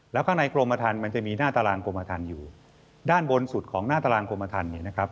แล้วข้างในกรมธรรมมันจะมีหน้าตารางกรมทันอยู่ด้านบนสุดของหน้าตารางกรมทันเนี่ยนะครับ